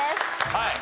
はい。